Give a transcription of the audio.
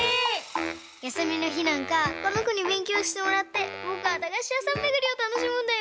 やすみのひなんかこのこにべんきょうしてもらってぼくはだがしやさんめぐりをたのしむんだよ！